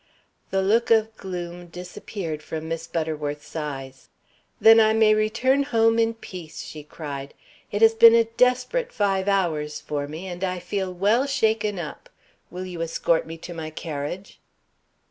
The look of gloom disappeared from Miss Butterworth's eyes. "Then I may return home in peace," she cried. "It has been a desperate five hours for me, and I feel well shaken up. Will you escort me to my carriage?"